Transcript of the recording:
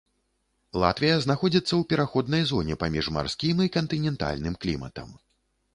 Латвія знаходзіцца ў пераходнай зоне паміж марскім і кантынентальным кліматам.